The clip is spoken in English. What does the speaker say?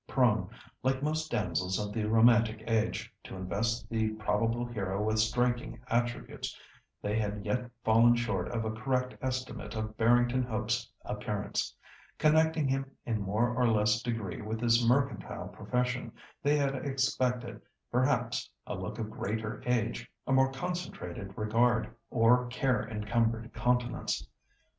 Prone, like most damsels of the romantic age, to invest the probable hero with striking attributes, they had yet fallen short of a correct estimate of Barrington Hope's appearance. Connecting him in more or less degree with his mercantile profession, they had expected perhaps a look of greater age, a more concentrated regard, or care encumbered countenance.